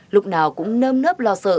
lúc nào cũng nâm nớp lo sợ